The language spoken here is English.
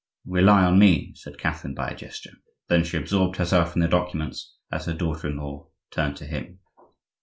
"Rely on me," said Catherine by a gesture. Then she absorbed herself in the documents as her daughter in law turned to him.